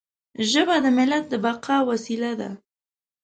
ژبه د ملت د بقا وسیله ده.